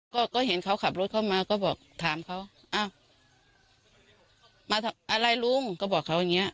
ก็ก็เห็นเขาขับรถเข้ามาก็บอกถามเขาอ้าวมาอะไรลุงก็บอกเขาอย่างเงี้